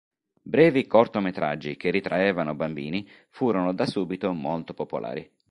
Brevi cortometraggi che ritraevano bambini furono da subito molto popolari.